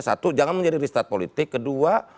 satu jangan menjadi riset politik kedua